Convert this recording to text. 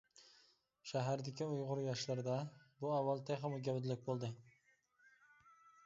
شەھەردىكى ئۇيغۇر ياشلىرىدا بۇ ئەھۋال تېخىمۇ گەۋدىلىك بولدى.